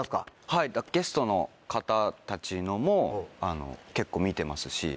はいゲストの方たちのも結構見てますし。